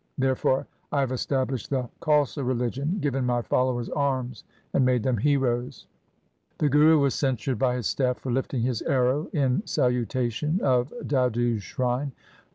There fore I have established the Khalsa religion, given my followers arms, and made them heroes.' The Guru was censured by his staff for lifting his arrow in salutation of Dadu's shrine.